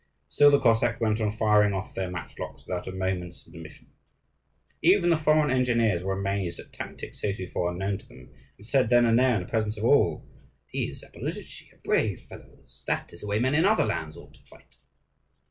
Still the Cossacks went on firing off their matchlocks without a moment's intermission. Even the foreign engineers were amazed at tactics heretofore unknown to them, and said then and there, in the presence of all, "These Zaporozhtzi are brave fellows. That is the way men in other lands ought to fight."